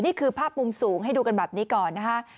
นี่คือภาพมุมสูงให้ดูกันแบบนี้ก่อนนะคะ